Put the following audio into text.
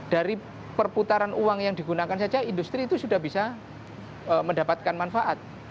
dari perputaran uang yang digunakan saja industri itu sudah bisa mendapatkan manfaat